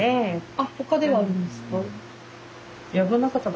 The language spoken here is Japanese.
あっ他ではあるんですか？